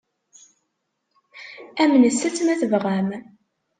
Amnet-tt, ma tebɣam.